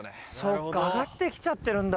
そっか上がってきちゃってるんだ。